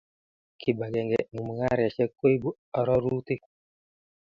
Kibagenge eng' mung'areshek koibu arorutik